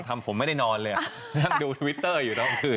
ทำผมไม่ได้นอนเลยนั่งดูทวิตเตอร์ทั้งคืน